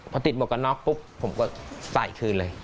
พอติดหมวกกันน็อกปุ๊บผมก็ใส่คืนเลย